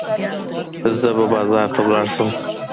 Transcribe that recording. زه به بازار ته ولاړه شم.